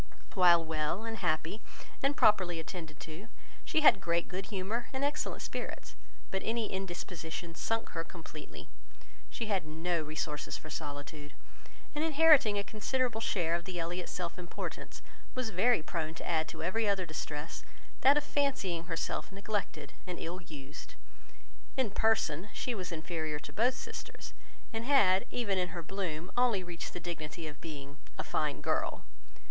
While well, and happy, and properly attended to, she had great good humour and excellent spirits; but any indisposition sunk her completely. She had no resources for solitude; and inheriting a considerable share of the Elliot self importance, was very prone to add to every other distress that of fancying herself neglected and ill used. In person, she was inferior to both sisters, and had, even in her bloom, only reached the dignity of being "a fine girl."